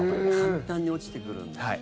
簡単に落ちてくるんだ。